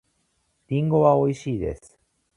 リンゴはおいしいです。